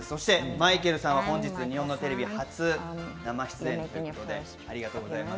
マイケルさんは本日、日本のテレビ初生出演です。